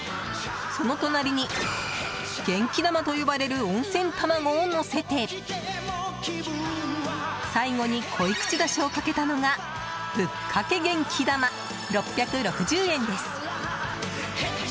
その隣に、元気玉と呼ばれる温泉卵をのせて最後に濃口だしをかけたのがぶっかけ元気玉、６６０円です。